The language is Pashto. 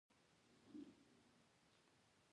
هرات د افغانستان د بڼوالۍ یوه برخه ده.